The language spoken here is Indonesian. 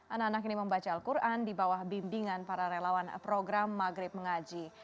anak anak ini membaca al quran di bawah bimbingan para relawan program maghrib mengaji